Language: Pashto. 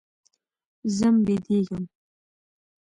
ځم بيدېږم.